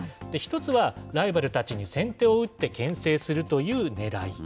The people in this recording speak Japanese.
１つは、ライバルたちに先手を打ってけん制するというねらい。